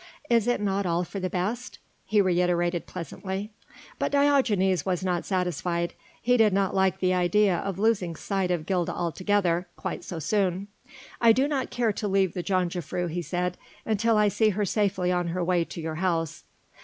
Is it not all for the best?" he reiterated pleasantly. But Diogenes was not satisfied. He did not like the idea of losing sight of Gilda altogether, quite so soon. "I do not care to leave the jongejuffrouw," he said, "until I see her safely on her way to your house."